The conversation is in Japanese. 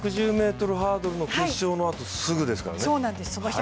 このあと１１０ｍハードルの決勝のあと、すぐですからね。